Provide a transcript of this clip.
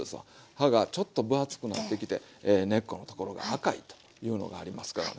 葉がちょっと分厚くなってきて根っこのところが赤いというのがありますからね。